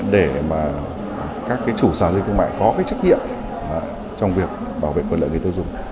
để mà các chủ sản dịch thương mại có trách nhiệm trong việc bảo vệ quân lợi người tiêu dùng